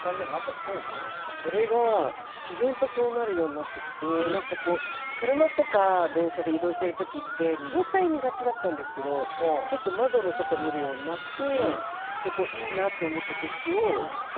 それが自然とそうなるようになってきて車とか電車で移動してる時って携帯見がちだったんですけど結構窓の外見るようになって。